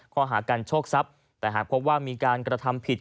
ข้อหาการโชคทรัพย์แต่หากพบว่ามีการกระทำผิด